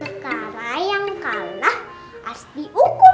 sekarang yang kalah harus dihukum